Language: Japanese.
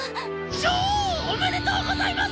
女王おめでとうございます！